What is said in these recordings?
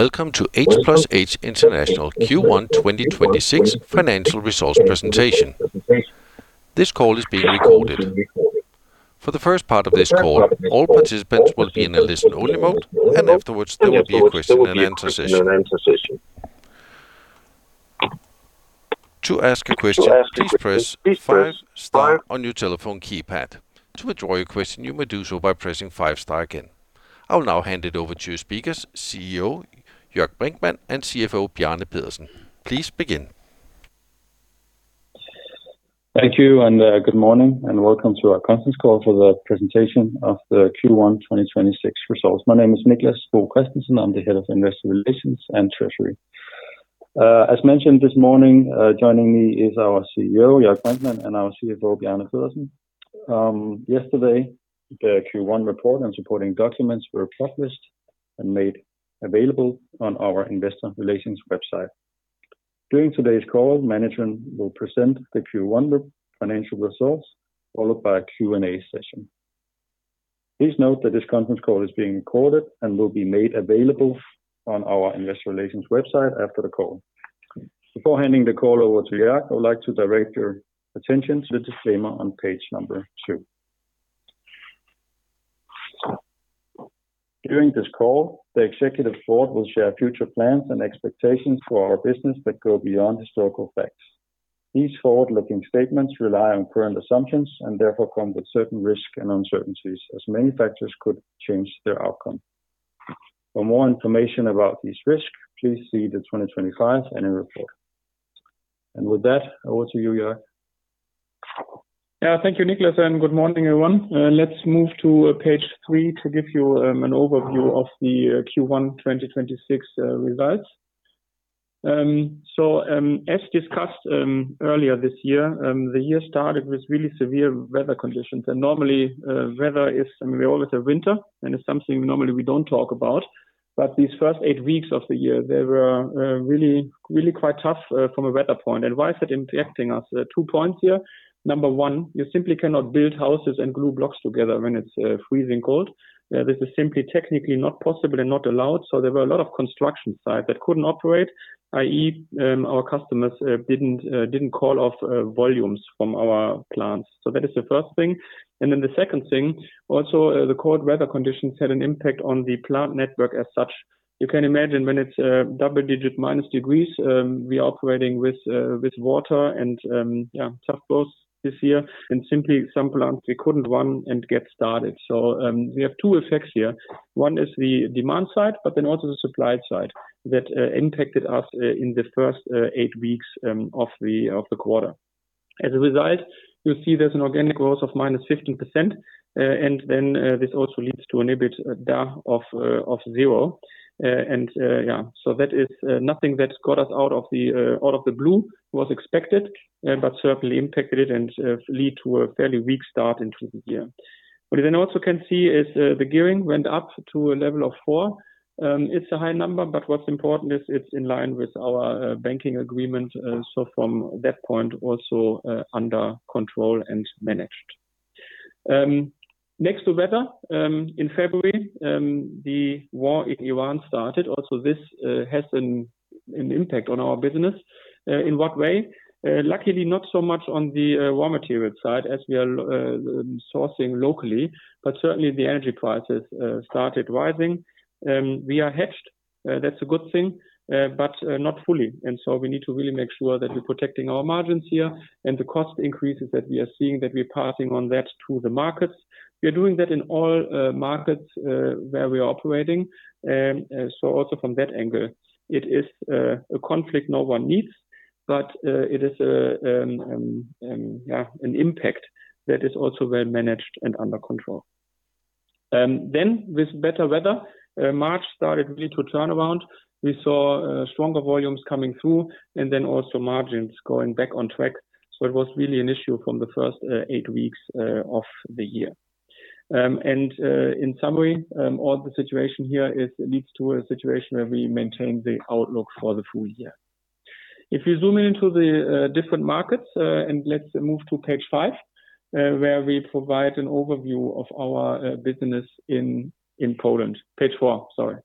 Welcome to H+H International Q1 2026 financial results presentation. This call is being recorded. For the first part of this call, all participants will be in a listen-only mode, and afterwards there will be a question and answer session. To ask a question please press five star on the telephone keypad. To withdraw your question you may do so by pressing five star again. I'll now hand it over to speakers CEO Jörg Brinkmann and CFO Bjarne Pedersen. Please begin. Thank you, good morning and welcome to our conference call for the presentation of the Q1 2026 results. My name is Niclas Bo Kristensen. I'm the Head of Investor Relations and Treasury. As mentioned this morning, joining me is our CEO, Jörg Brinkmann, and our CFO, Bjarne Pedersen. Yesterday, the Q1 report and supporting documents were published and made available on our investor relations website. During today's call, management will present the Q1 financial results, followed by a Q&A session. Please note that this conference call is being recorded and will be made available on our investor relations website after the call. Before handing the call over to Jörg, I would like to direct your attention to the disclaimer on page number two. During this call, the executive board will share future plans and expectations for our business that go beyond historical facts. These forward-looking statements rely on current assumptions and therefore come with certain risks and uncertainties, as many factors could change their outcome. For more information about these risks, please see the 2025 annual report. With that, over to you, Jörg. Thank you, Niclas and good morning, everyone. Let's move to Page 3 to give you an overview of the Q1 2026 results. As discussed earlier this year, the year started with really severe weather conditions. Normally, weather, I mean, we always have winter, and it's something normally we don't talk about. These first eight weeks of the year, they were really quite tough from a weather point. Why is it impacting us? Two points here. Number one, you simply cannot build houses and glue blocks together when it's freezing cold. This is simply technically not possible and not allowed, so there were a lot of construction site that couldn't operate, i.e., our customers didn't call off volumes from our plants. That is the first thing. The second thing, also, the cold weather conditions had an impact on the plant network as such. You can imagine when it's double-digit minus degrees, we are operating with water and, yeah, tough blows this year. Simply some plants we couldn't run and get started. We have two effects here. One is the demand side, also the supply side that impacted us in the first eight weeks of the quarter. As a result, you see there's an organic growth of -15%, this also leads to an EBITDA of zero. That is nothing that got us out of the out of the blue, was expected, but certainly impacted it and lead to a fairly weak start into the year. What you also can see is, the gearing went up to a level of four. It's a high number, but what's important is it's in line with our banking agreement. From that point also, under control and managed. Next to weather, in February, the war in Ukraine started. This has an impact on our business. In what way? Luckily, not so much on the raw material side as we are sourcing locally, but certainly the energy prices started rising. We are hedged, that's a good thing, but not fully. We need to really make sure that we're protecting our margins here and the cost increases that we are seeing that we're passing on that to the markets. We are doing that in all markets where we are operating. Also from that angle, it is a conflict no one needs, but it is a, yeah, an impact that is also well managed and under control. With better weather, March started really to turn around. We saw stronger volumes coming through and then also margins going back on track. It was really an issue from the first eight weeks of the year. In summary, all the situation here leads to a situation where we maintain the outlook for the full year. If you zoom into the different markets, let's move to Page 5, where we provide an overview of our business in Poland. Page 4, sorry.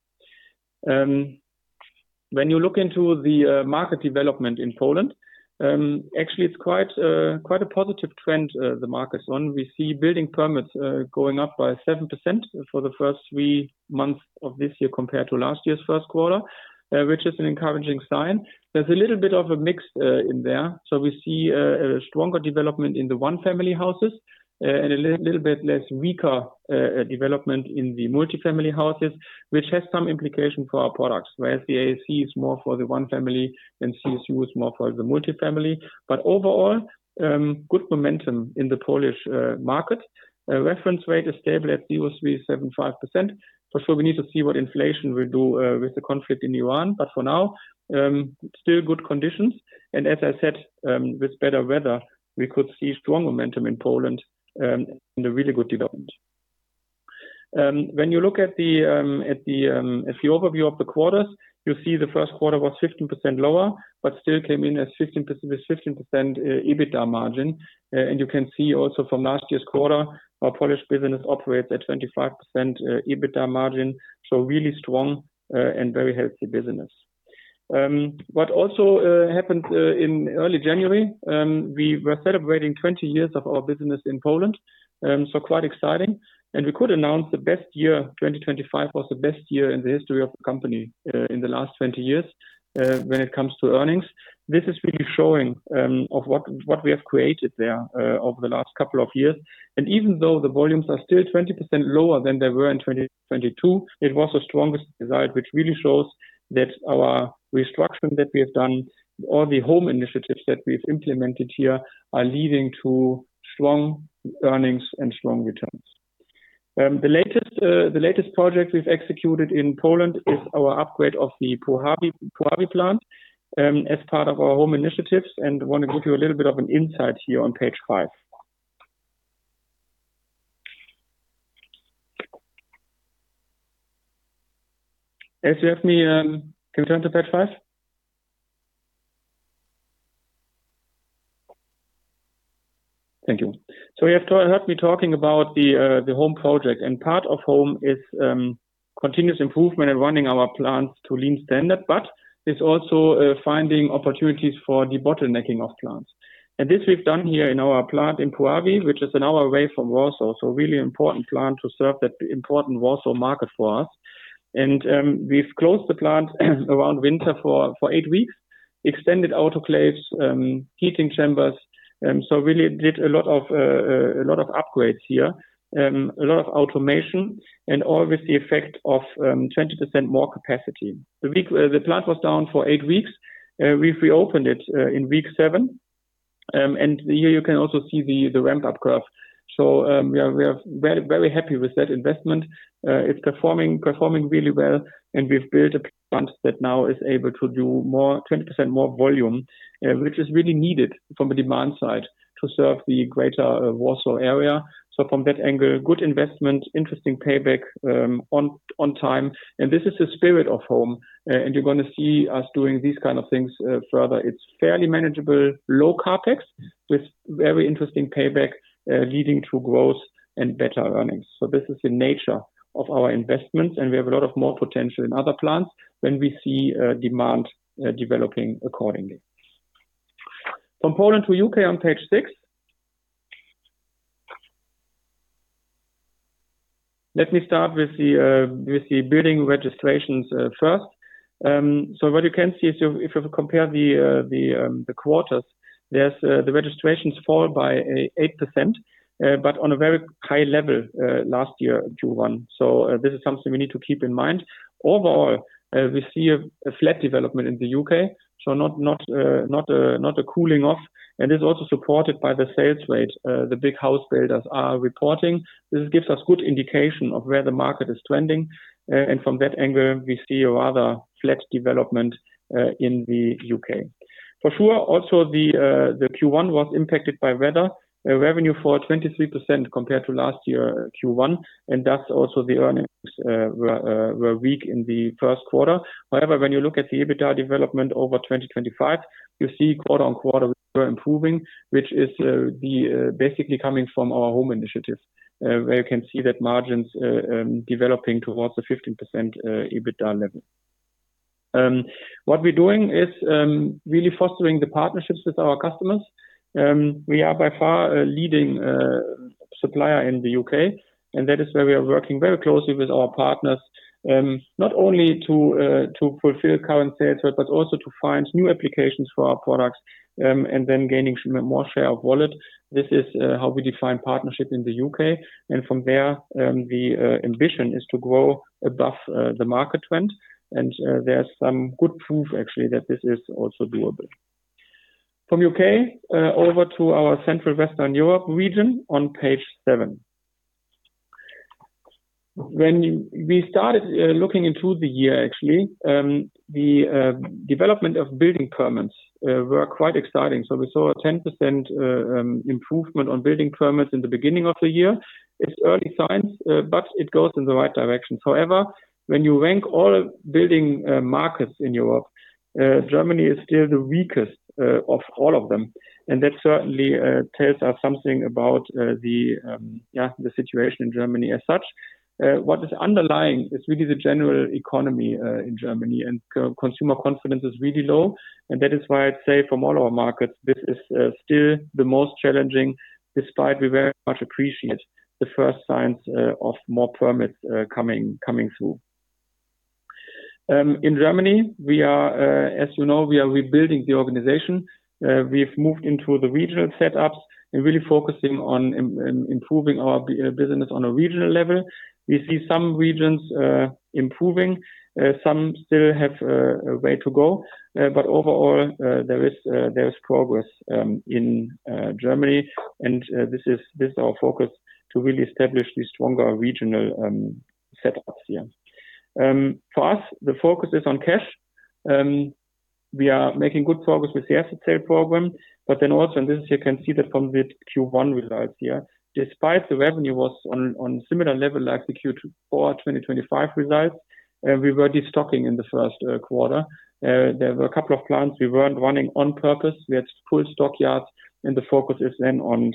When you look into the market development in Poland, actually it's quite a positive trend the market's on. We see building permits going up by 7% for the first three months of this year compared to last year's first quarter, which is an encouraging sign. There's a little bit of a mix in there. We see a stronger development in the one-family houses and a little bit less weaker development in the multi-family houses, which has some implication for our products, whereas the AAC is more for the one family and CSU is more for the multi-family. Overall, good momentum in the Polish market. Reference rate is stable at 0.375%. So we need to see what inflation will do with the conflict in Iran. For now, still good conditions. As I said, with better weather, we could see strong momentum in Poland, and a really good development. When you look at the, at the, at the overview of the quarters, you see the first quarter was 15% lower, but still came in with 15% EBITDA margin. You can see also from last year's quarter, our Polish business operates at 25% EBITDA margin. Really strong and very healthy business. What also happened in early January, we were celebrating 20 years of our business in Poland, quite exciting. We could announce the best year. 2025 was the best year in the history of the company in the last 20 years, when it comes to earnings. This is really showing what we have created there over the last couple of years. Even though the volumes are still 20% lower than they were in 2022, it was the strongest result, which really shows that our restructuring that we have done, all the HOME initiatives that we've implemented here, are leading to strong earnings and strong returns. The latest project we've executed in Poland is our upgrade of the Puławy plant, as part of our HOME initiatives, wanna give you a little bit of an insight here on Page 5. If you have me. Can you turn to Page 5? Thank you. You have to heard me talking about the HOME project. Part of HOME is continuous improvement in running our plants to lean standard, but it's also finding opportunities for debottlenecking of plants. This we've done here in our plant in Puławy, which is an hour away from Warsaw, a really important plant to serve that important Warsaw market for us. We've closed the plant around winter for eight weeks, extended autoclaves, heating chambers, so really did a lot of upgrades here. A lot of automation and all with the effect of 20% more capacity. The plant was down for eight weeks. We've reopened it in week seven. Here you can also see the ramp-up graph. We are very happy with that investment. It's performing really well, and we've built a plant that now is able to do 20% more volume, which is really needed from a demand side to serve the greater Warsaw area. From that angle, good investment, interesting payback, on time. This is the spirit of HOME, and you're going to see us doing these kind of things further. It's fairly manageable, low CapEx with very interesting payback, leading to growth and better earnings. This is the nature of our investments, and we have a lot of more potential in other plants when we see demand developing accordingly. From Poland to U.K. on Page 6. Let me start with the building registrations first. What you can see if you compare the quarters, there's the registrations fall by 8%, but on a very high level last year, Q1. This is something we need to keep in mind. Overall, we see a flat development in the U.K., so not a cooling off, and it's also supported by the sales rates the big house builders are reporting. This gives us good indication of where the market is trending, and from that angle, we see a rather flat development in the U.K. For sure, also the Q1 was impacted by weather. Revenue for 23% compared to last year Q1, and thus also the earnings were weak in the first quarter. However, when you look at the EBITDA development over 2025, you see quarter-on-quarter we're improving, which is basically coming from our HOME initiatives, where you can see that margins developing towards the 15% EBITDA level. What we're doing is really fostering the partnerships with our customers. We are by far a leading supplier in the U.K., and that is where we are working very closely with our partners, not only to fulfill current sales, but also to find new applications for our products, and then gaining more share of wallet. This is how we define partnership in the U.K. From there, the ambition is to grow above the market trend. There's some good proof actually that this is also doable. From U.K., over to our Central Western Europe region on Page 7. When we started looking into the year actually, the development of building permits were quite exciting. We saw a 10% improvement on building permits in the beginning of the year. It's early signs, but it goes in the right direction. However, when you rank all building markets in Europe, Germany is still the weakest of all of them, and that certainly tells us something about the situation in Germany as such. What is underlying is really the general economy in Germany, and consumer confidence is really low, and that is why I'd say from all our markets, this is still the most challenging, despite we very much appreciate the first signs of more permits coming through. In Germany, we are, as you know, we are rebuilding the organization. We've moved into the regional setups and really focusing on improving our business on a regional level. We see some regions improving, some still have a way to go. Overall, there is progress in Germany. This is our focus to really establish the stronger regional setups here. For us, the focus is on cash. We are making good progress with the asset sale program. This you can see that from the Q1 results here. Despite the revenue was on similar level like the Q2 or 2025 results, we were de-stocking in the first quarter. There were couple of plants we weren't running on purpose. We had full stockyards. The focus is then on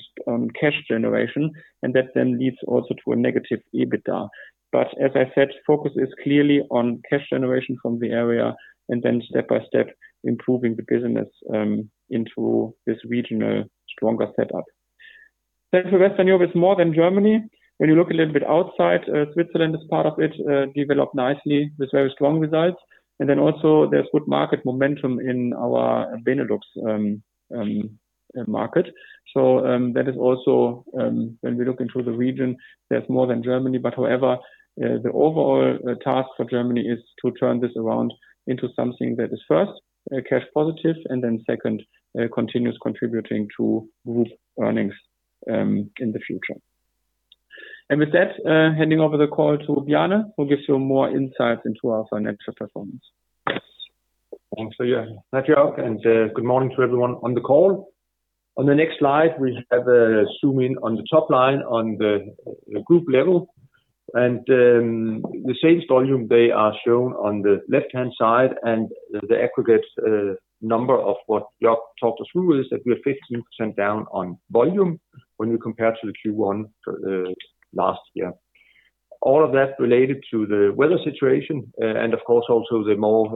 cash generation. That then leads also to a negative EBITDA. As I said, focus is clearly on cash generation from the area and then step by step improving the business into this regional stronger setup. Central and Western Europe is more than Germany. When you look a little bit outside, Switzerland is part of it, developed nicely with very strong results. Then also there's good market momentum in our Benelux market. That is also when we look into the region, there's more than Germany. However, the overall task for Germany is to turn this around into something that is first cash positive and then second continuous contributing to group earnings in the future. With that, handing over the call to Bjarne, who gives you more insights into our financial performance. Thanks. Yeah. Hi, Jörg, and good morning to everyone on the call. On the next slide, we have a zoom in on the top line on the group level. The sales volume, they are shown on the left-hand side, and the aggregate number of what Jörg talked us through is that we are 15% down on volume when you compare to the Q1 last year. All of that related to the weather situation, and of course, also the more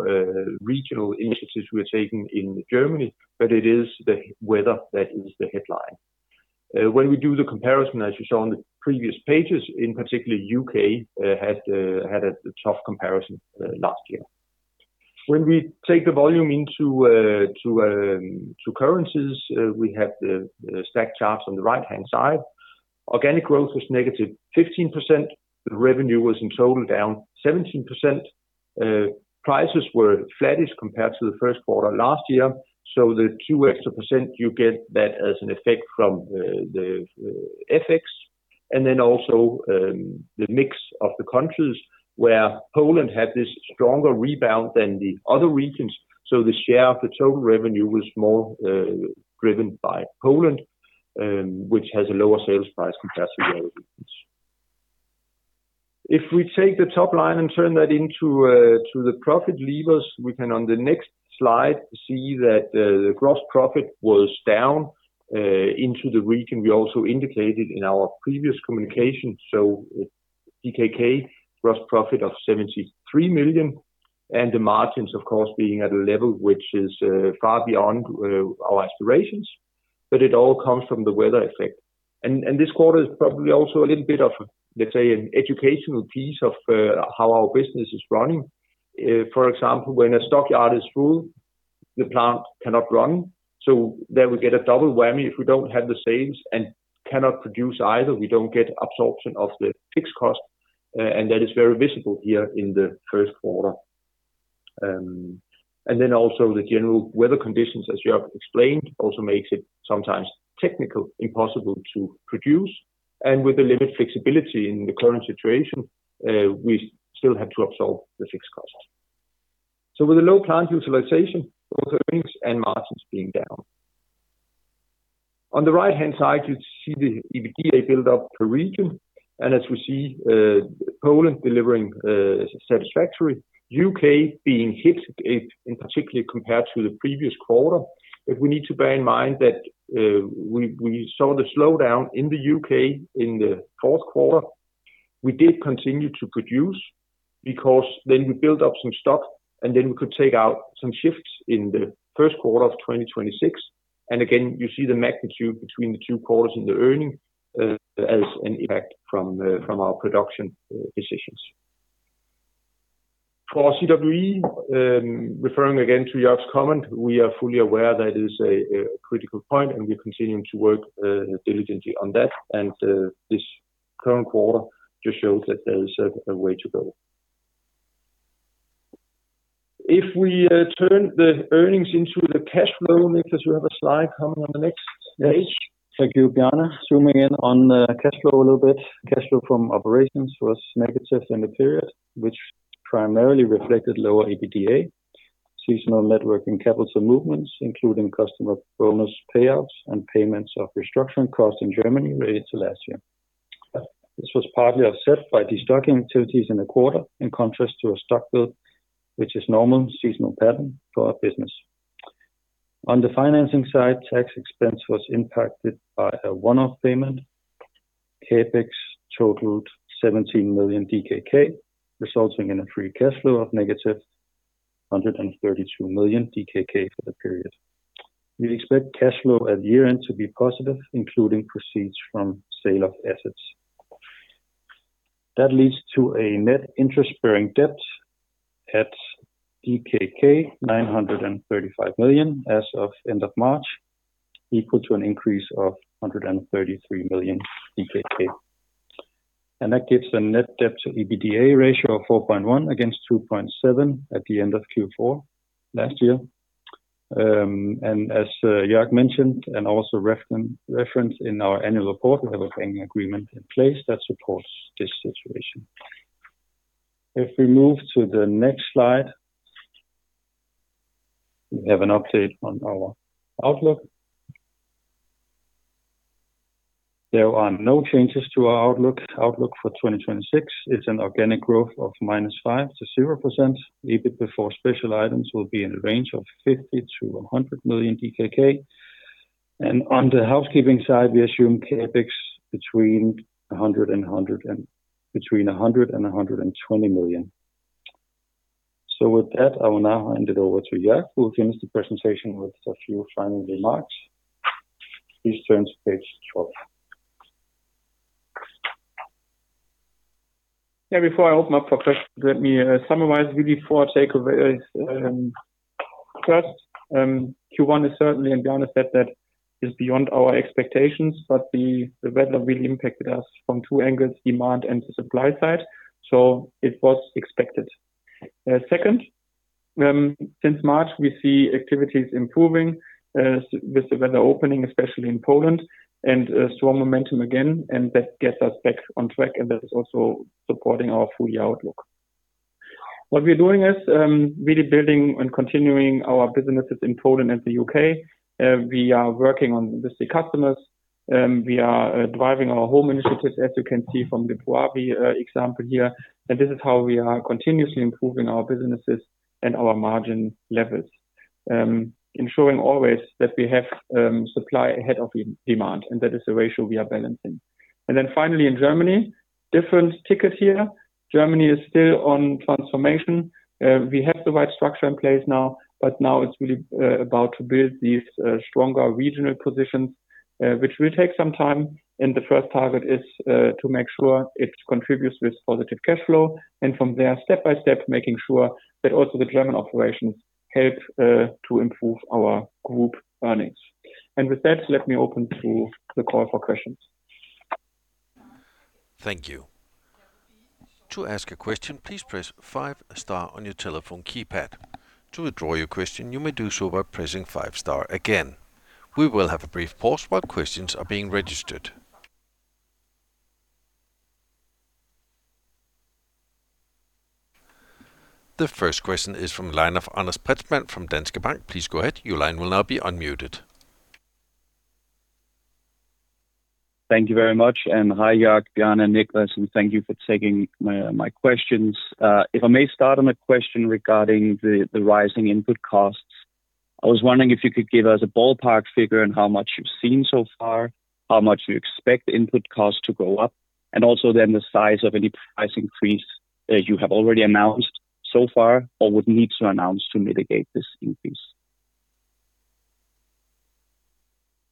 regional initiatives we are taking in Germany, it is the weather that is the headline. When we do the comparison, as you saw on the previous pages, in particular U.K., had a tough comparison last year. When we take the volume into currencies, we have the stack charts on the right-hand side. Organic growth was -15%. The revenue was in total down 17%. Prices were flattish compared to the first quarter last year. The few extra percent, you get that as an effect from the FX. The mix of the countries where Poland had this stronger rebound than the other regions. The share of the total revenue was more driven by Poland, which has a lower sales price compared to the other regions. If we take the top line and turn that into the profit levers, we can on the next slide see that the gross profit was down into the region. We also indicated in our previous communication, so DKK gross profit of 73 million, and the margins of course being at a level which is far beyond our aspirations. It all comes from the weather effect. This quarter is probably also a little bit of, let's say, an educational piece of how our business is running. For example, when a stockyard is full, the plant cannot run. There we get a double whammy. If we don't have the sales and cannot produce either, we don't get absorption of the fixed cost, and that is very visible here in the first quarter. Also the general weather conditions, as Jörg explained, also makes it sometimes technically impossible to produce. With the limited flexibility in the current situation, we still have to absorb the fixed costs. With a low plant utilization, both earnings and margins being down. On the right-hand side, you see the EBITDA build up per region. As we see, Poland delivering satisfactory. U.K. being hit in particular compared to the previous quarter. We need to bear in mind that we saw the slowdown in the U.K. in the fourth quarter. We did continue to produce because then we built up some stock, and then we could take out some shifts in the first quarter of 2026. Again, you see the magnitude between the two quarters in the earnings as an impact from our production decisions. For CWE, referring again to Jörg's comment, we are fully aware that is a critical point, and we're continuing to work diligently on that. This current quarter just shows that there is a way to go. If we turn the earnings into the cash flow next, as we have a slide coming on the next page. Thank you, Bjarne. Zooming in on the cash flow a little bit. Cash flow from operations was negative in the period, which primarily reflected lower EBITDA, seasonal net working capital movements, including customer bonus payouts and payments of restructuring costs in Germany related to last year. This was partly offset by destocking activities in the quarter, in contrast to a stock build, which is normal seasonal pattern for our business. On the financing side, tax expense was impacted by a one-off payment. CapEx totaled 17 million DKK, resulting in a free cash flow of -132 million DKK for the period. We expect cash flow at year-end to be positive, including proceeds from sale of assets. That leads to a net interest-bearing debt at DKK 935 million as of end of March, equal to an increase of 133 million DKK. That gives a net debt to EBITDA ratio of 4.1 against 2.7 at the end of Q4 last year. As Jörg mentioned, and also referenced in our annual report, we have a banking agreement in place that supports this situation. If we move to the next slide, we have an update on our outlook. There are no changes to our outlook. Outlook for 2026 is an organic growth of -5% to 0%. EBIT before special items will be in the range of 50 million-100 million DKK. On the housekeeping side, we assume CapEx between 100 million and 120 million. With that, I will now hand it over to Jörg, who will finish the presentation with a few final remarks. Please turn to Page 12. Before I open up for questions, let me summarize really four takeaways. First, Q1 is certainly, and Bjarne said that, is beyond our expectations. The weather really impacted us from two angles, demand and the supply side, it was expected. Second, since March, we see activities improving with the weather opening, especially in Poland, strong momentum again. That gets us back on track, that is also supporting our full-year outlook. What we are doing is really building and continuing our businesses in Poland and the U.K. We are working on with the customers. We are driving our HOME initiative, as you can see from the Puławy example here. This is how we are continuously improving our businesses and our margin levels. Ensuring always that we have supply ahead of demand, that is the ratio we are balancing. Finally, in Germany, different ticket here. Germany is still on transformation. We have the right structure in place now, but now it's really about to build these stronger regional positions, which will take some time. The first target is to make sure it contributes with positive cash flow. From there, step by step, making sure that also the German operations help to improve our group earnings. With that, let me open to the call for questions. Thank you. To ask a question, please press five star on your telephone keypad. To withdraw your question, you may do so by pressing five star again. We will have a brief pause while questions are being registered. The first question is from line of Anders Pretzmann from Danske Bank. Please go ahead. Your line will now be unmuted. Thank you very much. Hi, Jörg, Bjarne, Niclas, and thank you for taking my questions. If I may start on a question regarding the rising input costs. I was wondering if you could give us a ballpark figure on how much you've seen so far, how much you expect input costs to go up, and also then the size of any price increase you have already announced so far or would need to announce to mitigate this increase.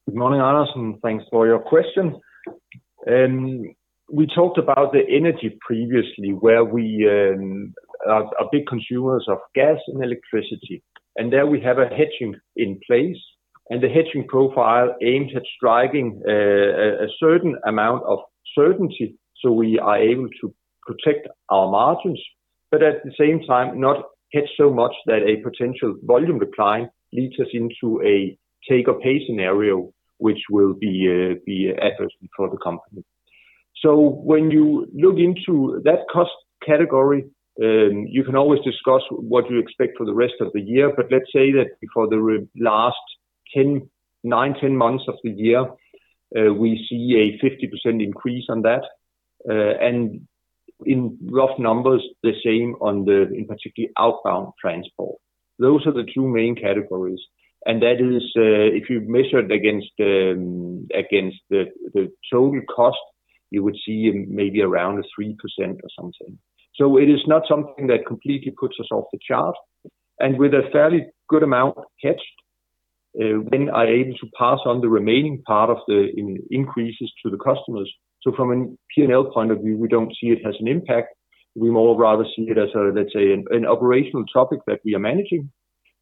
Good morning, Anders. Thanks for your question. We talked about the energy previously, where we are big consumers of gas and electricity. There we have a hedging in place, and the hedging profile aims at striking a certain amount of certainty, so we are able to protect our margins, but at the same time not hedge so much that a potential volume decline leads us into a take or pay scenario, which will be adverse for the company. When you look into that cost category, you can always discuss what you expect for the rest of the year. Let's say that for the last nine, 10 months of the year, we see a 50% increase on that. In rough numbers, the same on the, in particular, outbound transport. Those are the two main categories, and that is, if you measured against the total cost, you would see maybe around a 3% or something. It is not something that completely puts us off the chart. With a fairly good amount hedged, when are able to pass on the remaining part of the increases to the customers. From a P&L point of view, we don't see it as an impact. We more rather see it as an operational topic that we are managing.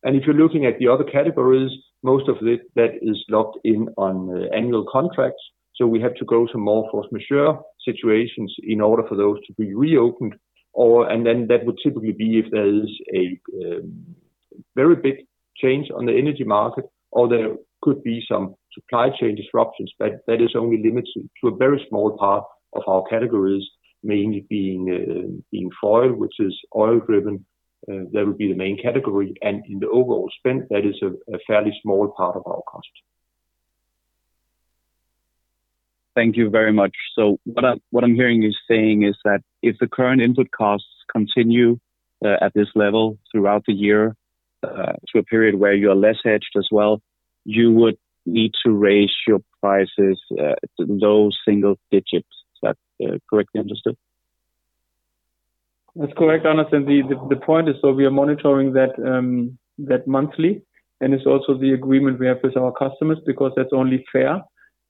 If you're looking at the other categories, most of it, that is locked in on annual contracts. We have to go to more force majeure situations in order for those to be reopened, or that would typically be if there is a very big change on the energy market or there could be some supply chain disruptions. That is only limited to a very small part of our categories, mainly being foil, which is oil-driven. That would be the main category. In the overall spend, that is a fairly small part of our cost. Thank you very much. What I'm hearing you saying is that if the current input costs continue at this level throughout the year, to a period where you're less hedged as well, you would need to raise your prices, low single digits. Is that correctly understood? That's correct, Anders. The point is so we are monitoring that monthly, and it's also the agreement we have with our customers because that's only fair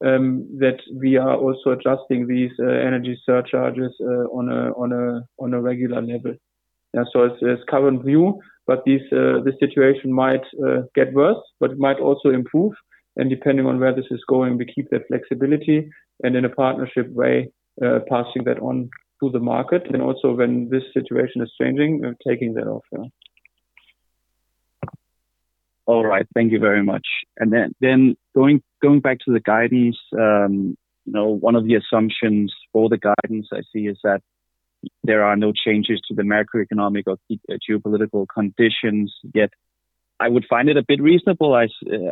that we are also adjusting these energy surcharges on a regular level. It's current view, but this situation might get worse, but it might also improve. Depending on where this is going, we keep that flexibility and in a partnership way, passing that on to the market. Also, when this situation is changing, taking that off. All right. Thank you very much. Going back to the guidance, you know, one of the assumptions for the guidance I see is that there are no changes to the macroeconomic or geo-geopolitical conditions yet. I would find it a bit reasonable, I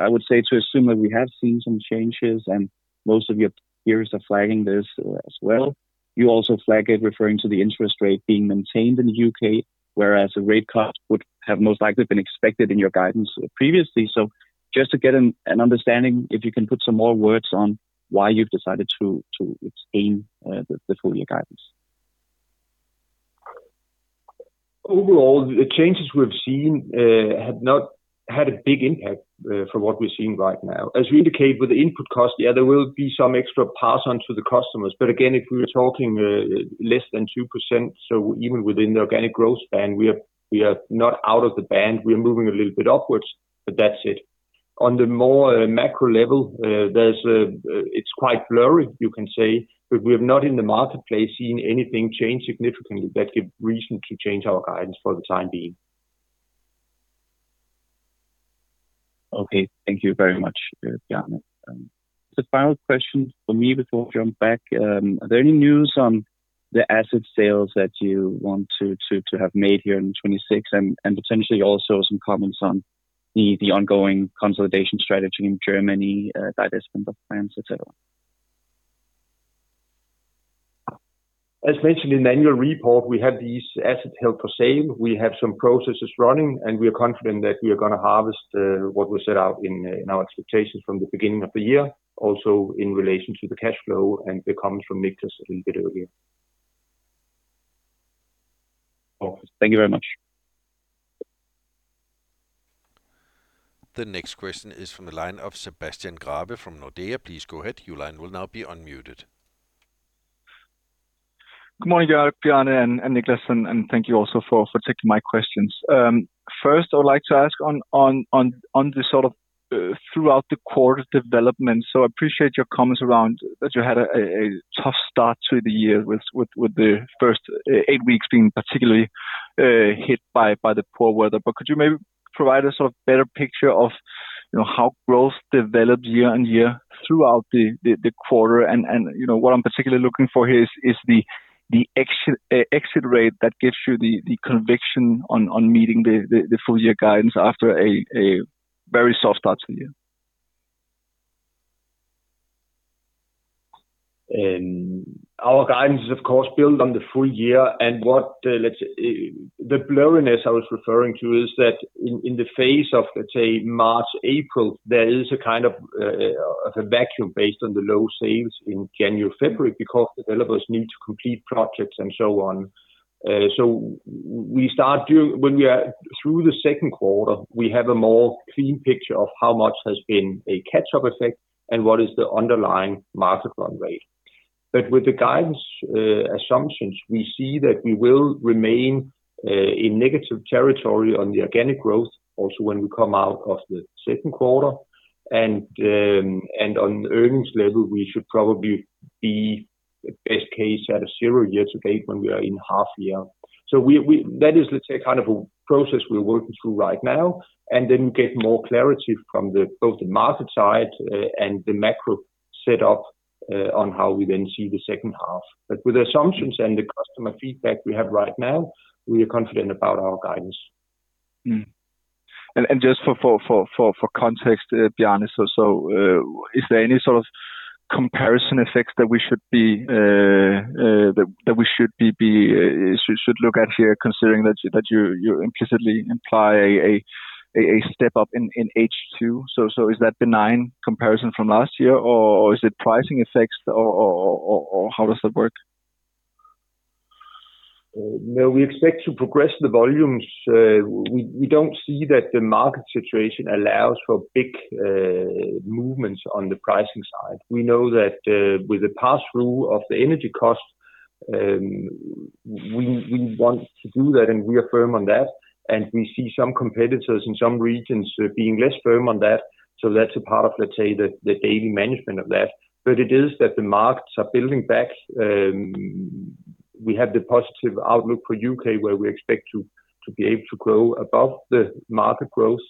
would say, to assume that we have seen some changes, and most of your peers are flagging this as well. You also flagged it referring to the interest rate being maintained in the U.K., whereas a rate cut would have most likely been expected in your guidance previously. Just to get an understanding, if you can put some more words on why you've decided to abstain the full year guidance. Overall, the changes we've seen have not had a big impact from what we're seeing right now. As we indicate with the input cost, there will be some extra pass-on to the customers. Again, if we were talking less than 2%, so even within the organic growth band, we are not out of the band. We are moving a little bit upwards, but that's it. On the more macro level, it's quite blurry, you can say. We have not in the marketplace seen anything change significantly that give reason to change our guidance for the time being. Okay. Thank you very much, Bjarne. The final question for me before I jump back, are there any news on the asset sales that you want to have made here in 2026, and potentially also some comments on the ongoing consolidation strategy in Germany, divestment of plants, et cetera? As mentioned in the annual report, we have these assets held for sale. We have some processes running, we are confident that we are gonna harvest what we set out in our expectations from the beginning of the year, also in relation to the cash flow and the comments from Niclas a little bit earlier. Okay. Thank you very much. The next question is from the line of Sebastian Grave from Nordea. Please go ahead. You line will now be unmuted. Good morning, Jörg, Bjarne, and Niclas, and thank you also for taking my questions. First, I would like to ask on the sort of throughout the quarter development. I appreciate your comments around that you had a tough start to the year with the first eight weeks being particularly hit by the poor weather. Could you maybe provide us a better picture of, you know, how growth developed year-on-year throughout the quarter? You know, what I'm particularly looking for here is the exit rate that gives you the conviction on meeting the full year guidance after a very soft start to the year. Our guidance is of course built on the full year and what. The blurriness I was referring to is that in the phase of, let's say, March, April, there is a kind of a vacuum based on the low sales in January, February because developers need to complete projects and so on. When we are through the second quarter, we have a more clean picture of how much has been a catch-up effect and what is the underlying market run rate. But with the guidance assupmtions, we see that we will remain in negative territory on the organic growth untill we come out of the second quarter. On earnings level, we should probably be best case at a zero year-to-date when we are in half year. That is let's say kind of a process we're working through right now, and then get more clarity from the, both the market side, and the macro set up, on how we then see the second half. With the assumptions and the customer feedback we have right now, we are confident about our guidance. Just for context, Bjarne, is there any sort of comparison effects that we should be should look at here considering that you implicitly imply a step-up in H2? Is that benign comparison from last year, or is it pricing effects or how does that work? No, we expect to progress the volumes. We don't see that the market situation allows for big movements on the pricing side. We know that with the pass-through of the energy costs, we want to do that, we are firm on that. We see some competitors in some regions being less firm on that. That's a part of, let's say, the daily management of that. It is that the markets are building back. We have the positive outlook for U.K., where we expect to be able to grow above the market growth.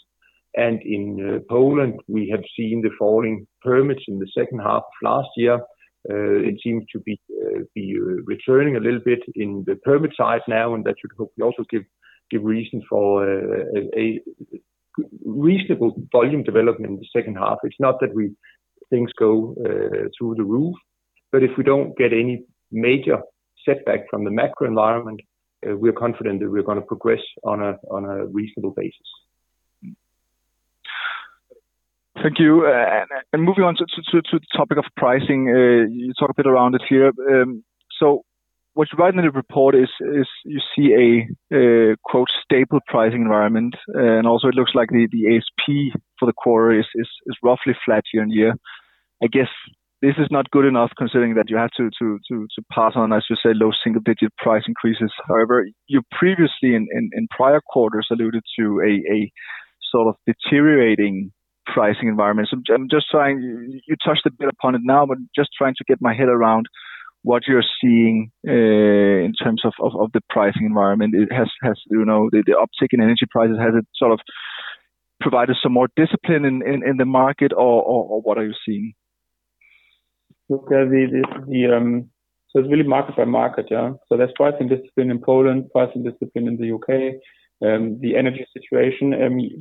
In Poland, we have seen the falling permits in the second half last year. It seems to be returning a little bit in the permit side now, and that should also give reason for a reasonable volume development in the second half. It's not that things go through the roof. If we don't get any major setback from the macro environment, we're confident that we're gonna progress on a reasonable basis. Thank you. Moving on to the topic of pricing, you talked a bit around it here. What you write in the report is you see a, "stable pricing environment." Also it looks like the ASP for the quarter is roughly flat year-on-year. I guess this is not good enough considering that you have to pass on, as you say, low single-digit price increases. However, you previously in prior quarters alluded to a sort of deteriorating pricing environment. You touched a bit upon it now, but just trying to get my head around what you're seeing in terms of the pricing environment. Has, you know, the uptick in energy prices, has it sort of provided some more discipline in the market or what are you seeing? Look, it's really market by market, yeah? There's pricing discipline in Poland, pricing discipline in the U.K. The energy situation,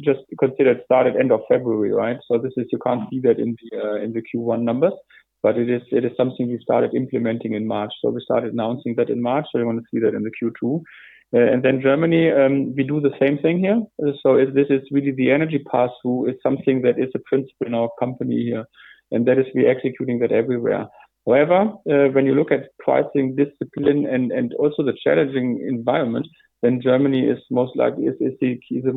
just consider it started end of February, right? You can't see that in the Q1 numbers, but it is something we started implementing in March. We started announcing that in March, so you wanna see that in the Q2. Germany, we do the same thing here. This is really the energy pass-through is something that is a principle in our company, yeah. That is we're executing that everywhere. However, when you look at pricing discipline and also the challenging environment, then Germany is the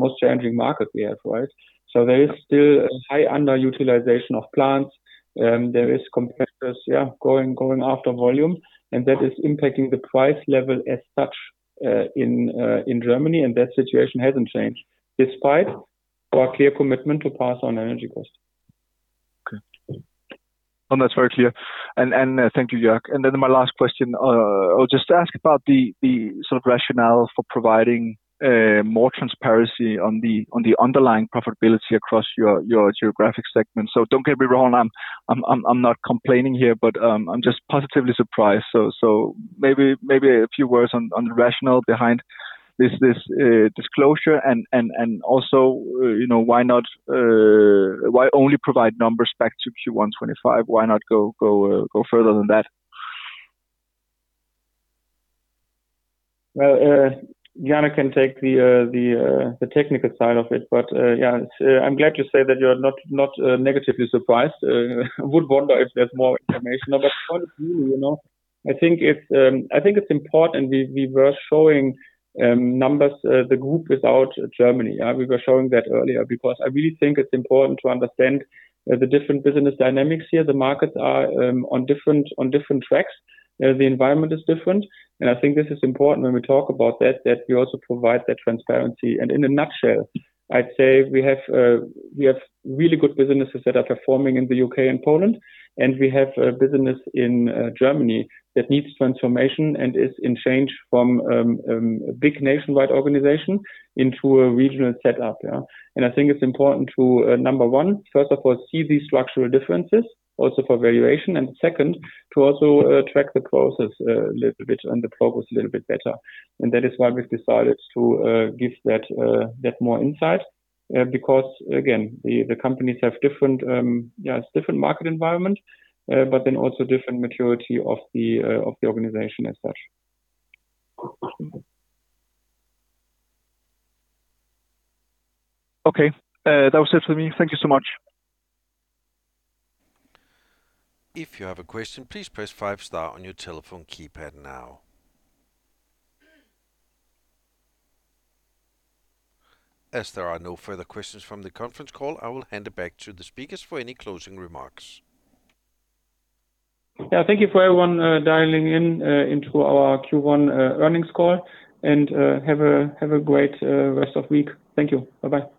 most challenging market we have, right? There is still a high underutilization of plants. There is competitors going after volume, and that is impacting the price level as such, in Germany. That situation hasn't changed, despite our clear commitment to pass on energy costs. Okay. No, that's very clear. Thank you, Jörg. My last question, I'll just ask about the sort of rationale for providing more transparency on the underlying profitability across your geographic segment. Don't get me wrong, I'm not complaining here, but I'm just positively surprised. Maybe a few words on the rationale behind this disclosure and also, you know, why not why only provide numbers back to Q1 2025? Why not go further than that? Well, Bjarne can take the technical side of it. Yeah, I'm glad to say that you're not negatively surprised. Would wonder if there's more information. Quite agree, you know. I think it's important we were showing numbers, the group without Germany. Yeah. We were showing that earlier because I really think it's important to understand the different business dynamics here. The markets are on different tracks. The environment is different. I think this is important when we talk about that we also provide that transparency. In a nutshell, I'd say we have, we have really good businesses that are performing in the U.K. and Poland, and we have a business in Germany that needs transformation and is in change from a big nationwide organization into a regional setup, yeah. I think it's important to number one, first of all, see these structural differences also for valuation. Second, to also track the process a little bit and the progress a little bit better. That is why we've decided to give that that more insight, because again, the companies have different, yeah, it's different market environment, but then also different maturity of the organization as such. Okay. That was it for me. Thank you so much. If you have a question, please press five star on your telephone keypad now. As there are no further questions from the conference call, I will hand it back to the speakers for any closing remarks. Yeah. Thank you for everyone dialing in into our Q1 earnings call. Have a great rest of week. Thank you. Bye-bye.